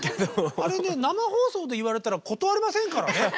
あれね生放送で言われたら断れませんからね。